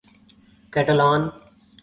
Catalan